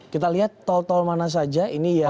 kita lihat tol tol mana saja ini yang